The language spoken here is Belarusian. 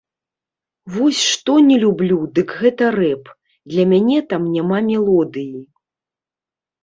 Вось што не люблю, дык гэта рэп, для мяне там няма мелодыі.